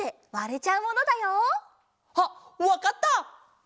あっわかった！